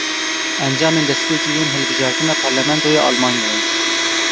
Encamên destpêkê yên hilbijartina parlamentoya Almanyayê.